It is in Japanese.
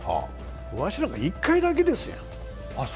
わしなんか１回だけですやん。